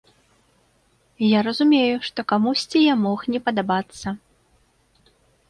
Я разумею, што камусьці я мог не падабацца.